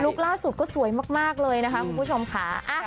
ล่าสุดก็สวยมากเลยนะคะคุณผู้ชมค่ะ